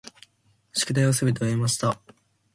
宿題をすべて終えました。